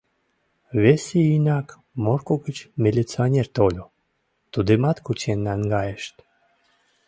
Вес ийынак Морко гыч милиционер тольо — тудымат кучен наҥгайышт.